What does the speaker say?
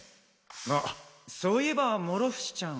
あそういえば諸伏ちゃん。